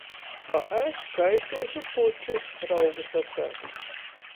"A es kaiseišu pučis," raugu saceit.